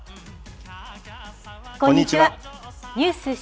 こんにちは。